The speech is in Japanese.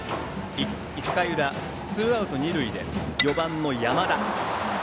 １回裏、ツーアウト二塁で４番の山田。